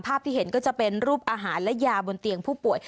ที่เห็นก็จะเป็นรูปอาหารและยาบนเตียงผู้ป่วย